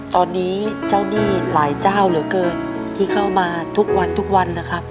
ตอนนี้เจ้าหนี้หลายเจ้าเหลือเกินที่เข้ามาทุกวันทุกวันนะครับ